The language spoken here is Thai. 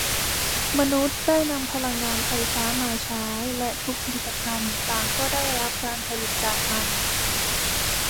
มนุษย์ได้นำพลังงานไฟฟ้ามาใช้และทุกผลิตภัณฑ์ต่างก็ได้รับการผลิตจากมัน